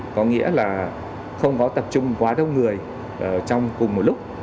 có nghĩa là không có tập trung quá đông người trong cùng một lúc